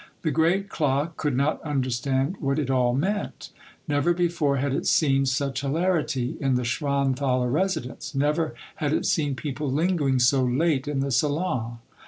The great clock could not understand what it all meant. Never before had it seen such hilarity in the Schwan thaler residence ; never had it seen people linger ing so late in the salon.